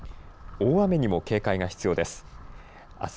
大雨にも警戒が必要です。